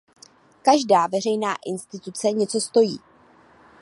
Každá veřejná instituce něco stojí.